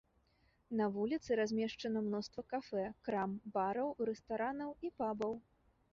На вуліцы размешчана мноства кафэ, крам, бараў, рэстаранаў і пабаў.